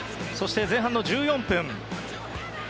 前半１４分